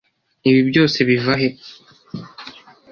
ibi byose biva he?